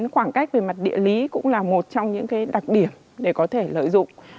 khoảng cách về mặt địa lý cũng là một trong những đặc điểm để có thể lợi dụng